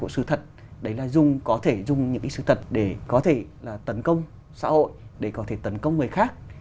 sự thật đấy là dùng có thể dùng những cái sự thật để có thể là tấn công xã hội để có thể tấn công người khác